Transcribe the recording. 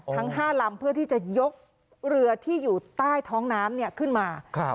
ทั้งห้าลำเพื่อที่จะยกเรือที่อยู่ใต้ท้องน้ำเนี่ยขึ้นมาครับ